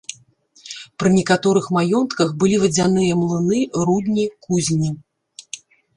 Пры некаторых маёнтках былі вадзяныя млыны, рудні, кузні.